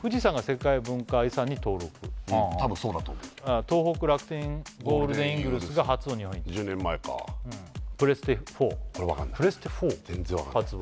富士山が世界文化遺産に登録多分そうだと思う東北楽天ゴールデンイーグルスが初の日本一１０年前かプレステ４これ分かんないプレステ４発売